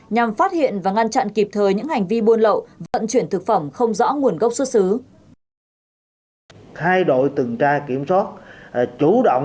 nhằm phát hiện và ngăn chặn kịp thời những hành vi buôn lậu vận chuyển thực phẩm không rõ nguồn gốc xuất xứ